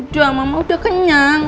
udah mama udah kenyang